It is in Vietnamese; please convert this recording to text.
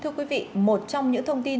thưa quý vị một trong những thông tin